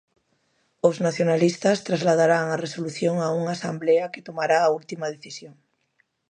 Os nacionalistas trasladarán a resolución a unha asemblea que tomará a última decisión.